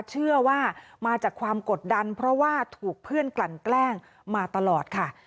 เชื่อว่ามาจากความกดดันเพราะว่าถูกเพื่อนกลั่นแกล้งมาตลอดค่ะ